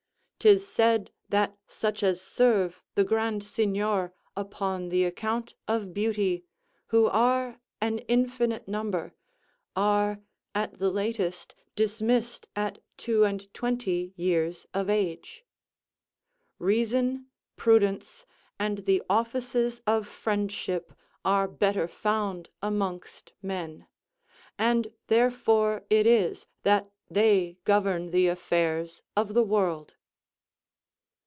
'Tis said that such as serve the Grand Signior upon the account of beauty, who are an infinite number, are, at the latest, dismissed at two and twenty years of age. Reason, prudence, and the offices of friendship are better found amongst men, and therefore it is that they govern the affairs of the world.